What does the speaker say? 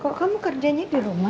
kok kamu kerjanya di rumah